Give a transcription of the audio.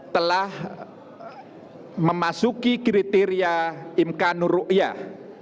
telah memasuki kriteria imkanur rukyah ⁇